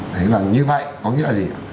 thế là như vậy có nghĩa là gì